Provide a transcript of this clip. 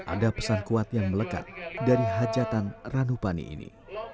ada pesan kuat yang melekat dari hajatan ranupani ini